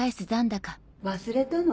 忘れたの？